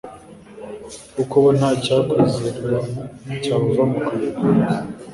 Kuko bo nta cyakwizerwa cyabava mu kanwa